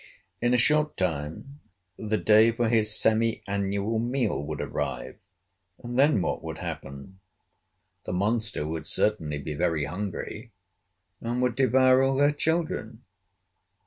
In a short time, the day for his semi annual meal would arrive, and then what would happen? The monster would certainly be very hungry, and would devour all their children.